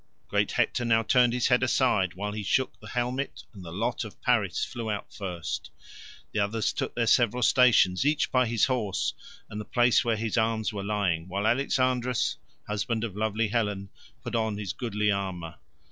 Great Hector now turned his head aside while he shook the helmet, and the lot of Paris flew out first. The others took their several stations, each by his horses and the place where his arms were lying, while Alexandrus, husband of lovely Helen, put on his goodly armour.